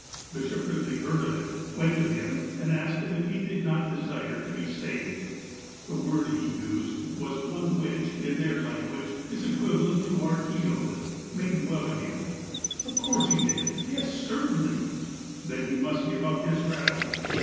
Bishop Eidley heard of it, went to him, and asked him if he did not desire to be "saved." The word he used was one which, in their language, is equivalent to our "healed," "made well again," Of course he did. " Yes — certainly !" Then he must give up his rattle.